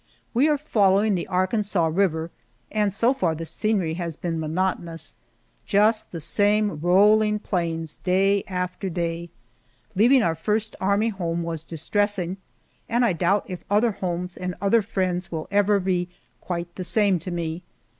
We are following the Arkansas River, and so far the scenery has been monotonous just the same rolling plains day after day. Leaving our first army home was distressing, and I doubt if other homes and other friends will ever be quite the same to me.